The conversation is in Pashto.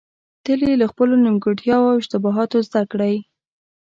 تل يې له خپلو نيمګړتياوو او اشتباهاتو زده کړئ.